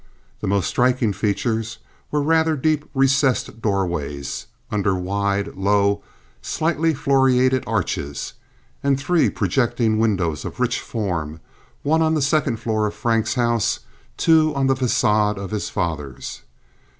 The most striking features were rather deep recessed doorways under wide, low, slightly floriated arches, and three projecting windows of rich form, one on the second floor of Frank's house, two on the facade of his father's.